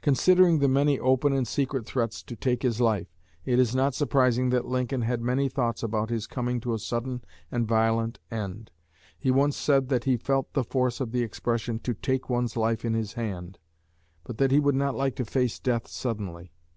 Considering the many open and secret threats to take his life, it is not surprising that Lincoln had many thoughts about his coming to a sudden and violent end. He once said that he felt the force of the expression, 'To take one's life in his hand'; but that he would not like to face death suddenly.